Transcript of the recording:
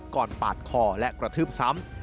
ปาดคอและกระทืบซ้ำ